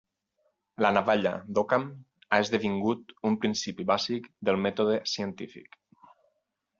La navalla d'Occam ha esdevingut un principi bàsic del mètode científic.